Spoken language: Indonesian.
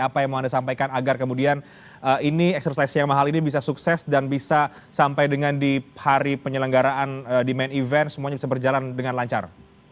apa yang mau anda sampaikan agar kemudian ini eksersi yang mahal ini bisa sukses dan bisa sampai dengan di hari penyelenggaraan di main event semuanya bisa berjalan dengan lancar